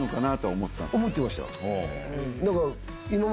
思ってました。